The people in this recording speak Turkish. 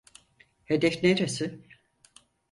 Hedef neresi?